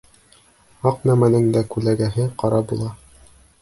Аҡ нәмәнең дә күләгәһе ҡара була.